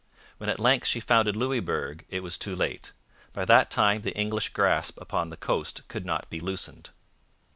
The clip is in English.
When at length she founded Louisbourg it was too late; by that time the English grasp upon the coast could not be loosened.